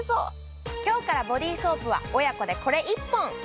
今日からボディソープは親子でこれ１本。